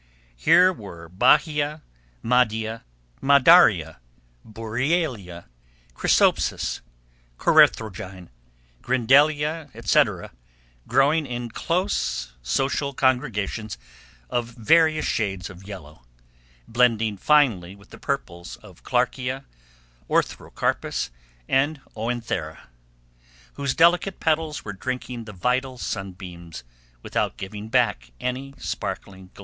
Here were bahia, madia, madaria, burrielia, chrysopsis, corethrogyne, grindelia, etc., growing in close social congregations of various shades of yellow, blending finely with the purples of clarkia, orthocarpus, and oenothera, whose delicate petals were drinking the vital sunbeams without giving back any sparkling glow.